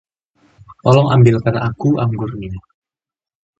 Tolong ambilkan aku anggurnya.